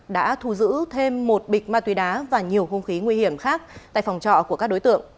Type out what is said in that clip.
đã thu giữ thêm một bịch ma túy đá và nhiều hung khí nguy hiểm khác tại phòng trọ của các đối tượng